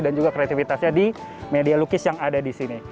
dan juga kreativitasnya di media lukis yang ada di sini